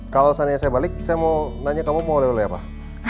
kalau seandainya saya balik saya mau nanya kamu mau lelel ya pak